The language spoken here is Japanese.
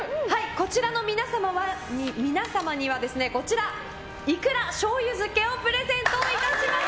こちらの皆様にはいくら醤油漬をプレゼントいたします。